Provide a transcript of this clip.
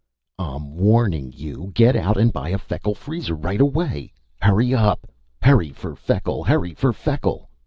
"I'm warning you! Get out and buy a Feckle Freezer right away! Hurry up! Hurry for Feckle! Hurry for Feckle!